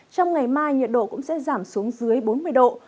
trong ngày mai nhiệt độ cũng sẽ giảm xuống dưới bốn mươi độ